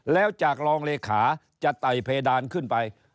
แล้วจากรองเลขาจะไต่เพดานขึ้นไป